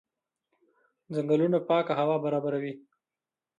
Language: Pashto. ځنګلونه پاکه هوا برابروي.